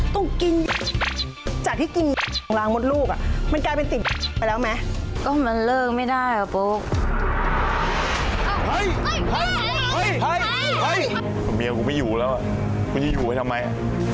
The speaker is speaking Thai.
ต้องกินจักที่กินรังมลูกมันกลายเป็นไปแล้วไหม